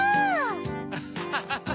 アハハハ！